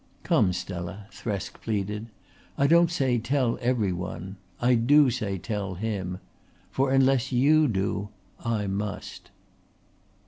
"Come, Stella," Thresk pleaded. "I don't say tell every one. I do say tell him. For unless you do I must."